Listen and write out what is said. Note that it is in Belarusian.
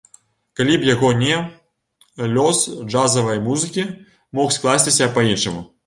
Калі б яго не, лёс джазавай музыкі мог скласціся па-іншаму.